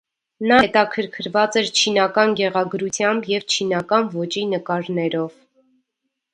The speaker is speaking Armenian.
Նա հետաքրքրված էր չինական գեղագրությամբ և չինական ոճի նկարներով։